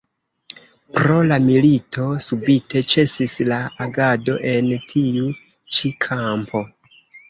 Pro la milito subite ĉesis la agado en tiu ĉi kampo.